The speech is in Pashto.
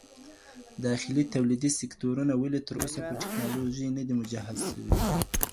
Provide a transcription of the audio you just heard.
داخلي توليدي سکتورونه ولې تر اوسه په ټکنالوژي نه دي مجهز سوي؟